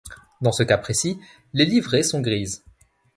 Dans ce cas précis les livrées sont grises.